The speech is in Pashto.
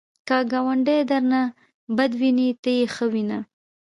که ګاونډی درنه بد ویني، ته یې ښه وینه